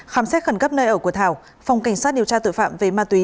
khám xét khẩn cấp nơi ở của thảo phòng cảnh sát điều tra tội phạm về ma túy